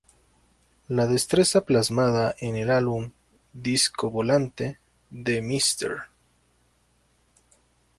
La destreza plasmada en el álbum "Disco Volante" de Mr.